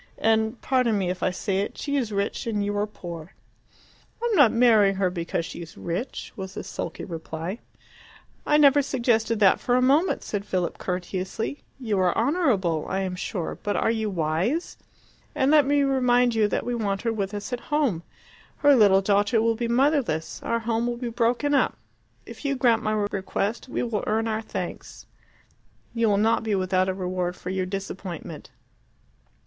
And pardon me if I say it she is rich and you are poor." "I am not marrying her because she is rich," was the sulky reply. "I never suggested that for a moment," said Philip courteously. "You are honourable, I am sure; but are you wise? And let me remind you that we want her with us at home. Her little daughter will be motherless, our home will be broken up. If you grant my request you will earn our thanks and you will not be without a reward for your disappointment."